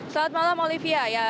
selamat malam olivia